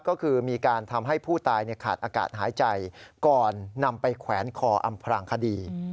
ก็คือมีการทำให้ผู้ตายขาดอากาศหายใจก่อนนำไปแขวนคออำพลางคดี